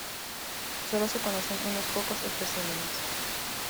Sólo se conocen unos pocos especímenes.